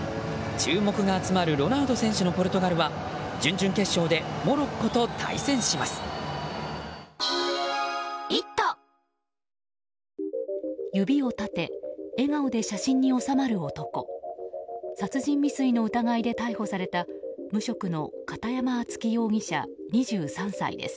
注目が集まるロナウド選手のポルトガルは準々決勝でモロッコと対戦します。